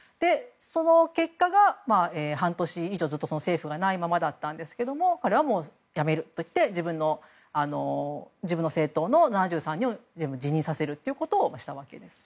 その結果、半年以上ずっと政府がないままだったんですが俺は辞めると言って自分の政党の７３人を辞任させることをしたわけです。